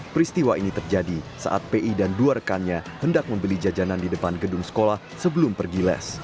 peristiwa ini terjadi saat pi dan dua rekannya hendak membeli jajanan di depan gedung sekolah sebelum pergi les